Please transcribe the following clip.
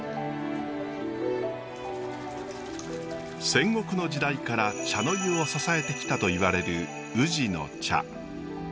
戦国の時代から茶の湯を支えてきたといわれる宇治の茶。